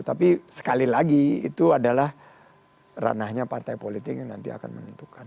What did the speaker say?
tapi sekali lagi itu adalah ranahnya partai politik yang nanti akan menentukan